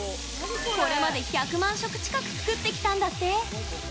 これまで１００万食近く作ってきたんだって。